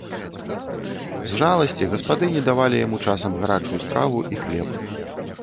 З жаласці гаспадыні давалі яму часам гарачую страву і хлеб.